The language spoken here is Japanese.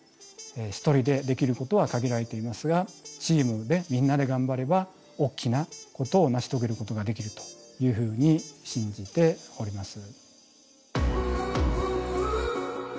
一人でできることは限られていますがチームでみんなで頑張れば大きなことを成し遂げることができるというふうに信じております。